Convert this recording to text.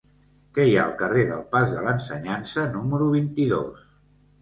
Què hi ha al carrer del Pas de l'Ensenyança número vint-i-dos?